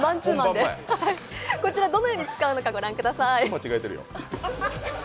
こちら、どのように使うのか御覧ください。